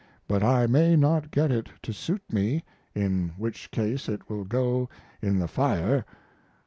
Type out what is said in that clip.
But I may not get it to suit me, in which case it will go in the fire.